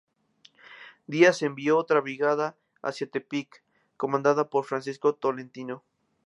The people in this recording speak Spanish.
Díaz envió otra brigada hacia Tepic, comandada por Francisco Tolentino.